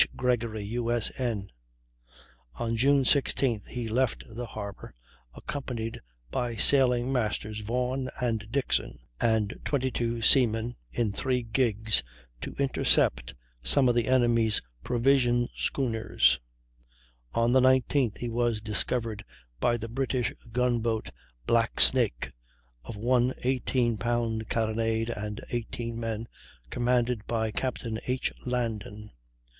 Gregory, U.S.N. On June 16th he left the Harbor, accompanied by Sailing masters Vaughan and Dixon and 22 seamen, in three gigs, to intercept some of the enemy's provision schooners; on the 19th he was discovered by the British gun boat Black Snake, of one 18 pound carronade and 18 men, commanded by Captain H. Landon.